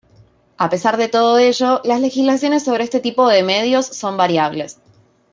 A pesar de todo ello, las legislaciones sobre este tipo de medios son variables.